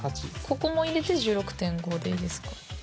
ここも入れて１６．５でいいですか？